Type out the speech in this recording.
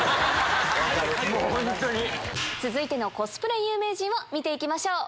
続いてのコスプレ有名人を見て行きましょう。